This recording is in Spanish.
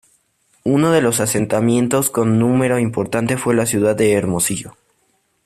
Uno de los asentamientos con un número importante fue la ciudad de Hermosillo.